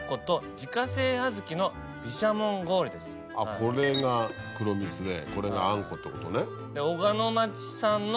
あっこれが黒蜜でこれがあんこってことね。